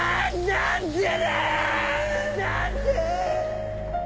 何で！